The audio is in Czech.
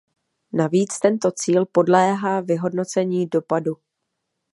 Navíc tento cíl podléhá vyhodnocení dopadu.